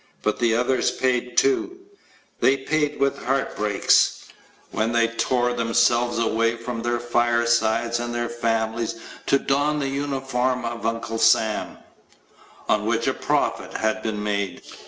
But the others paid, too they paid with heartbreaks when they tore themselves away from their firesides and their families to don the uniform of Uncle Sam on which a profit had been made.